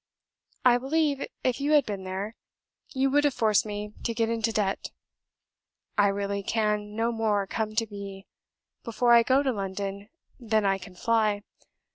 I believe, if you had been there, you would have forced me to get into debt. ... I really can no more come to B before I go to London than I can fly.